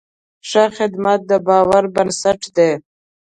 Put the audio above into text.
ښه خدمت د باور بنسټ دی.